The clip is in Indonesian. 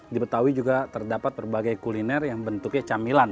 di betawi juga terdapat berbagai kuliner yang bentuknya camilan